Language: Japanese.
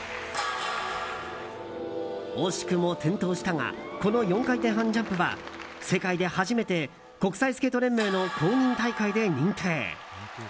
惜しくも転倒したがこの４回転半ジャンプは世界で初めて国際スケート連盟の公認大会で認定。